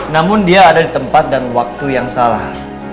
namun dia ada di tempat dan waktu yang salah